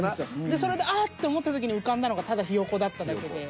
でそれであっと思った時に浮かんだのがただヒヨコだっただけで。